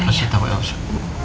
kasih tau ya elsa